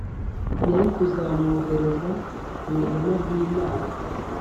yari kuzamwohereza mu ihema ry Imana